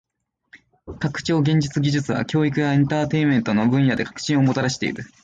拡張現実技術は教育やエンターテインメントの分野で革新をもたらしている。